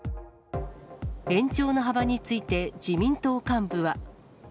延長の幅について自民党幹部は。